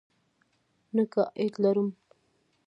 نه ګائیډ لرم.